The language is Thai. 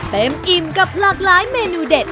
อิ่มกับหลากหลายเมนูเด็ด